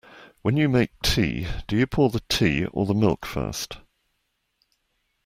When you make tea, do you pour the tea or the milk first?